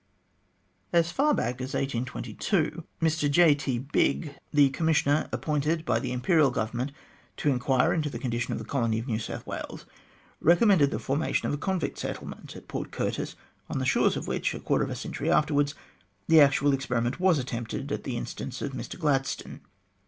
14 THE GLADSTONE COLONY As far back as 1822 Mr J. T. Bigge, the Commissioner appointed by the Imperial Government to enquire into the condition of the Colony of New South Wales, recommended the formation of a convict settlement at Port Curtis, on the shores of which, a quarter of a century afterwards, the actual experiment was attempted at the instance of Mr Gladstone.